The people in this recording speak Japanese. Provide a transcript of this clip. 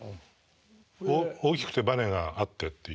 大きくてバネがあってっていう。